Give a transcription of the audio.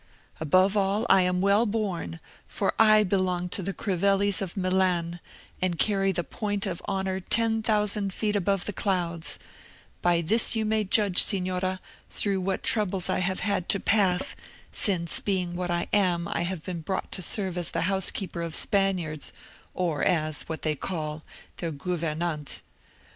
Above all, I am well born, for I belong to the Crivellis of Milan, and I carry the point of honour ten thousand feet above the clouds; by this you may judge, Signora, through what troubles I have had to pass, since, being what I am, I have been brought to serve as the housekeeper of Spaniards, or as, what they call, their gouvernante.